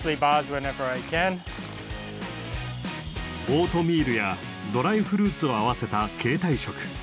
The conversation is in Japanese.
オートミールやドライフルーツを合わせた携帯食。